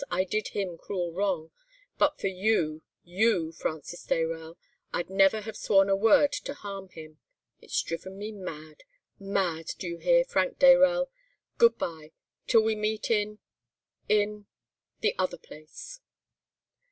I did him cruel wrong, and but for you, you, Francis Dayrell, I'd never have sworn a word to harm him. It's driven me mad—mad! do you hear, Frank Dayrell? Good bye, till we meet in—in—the other place!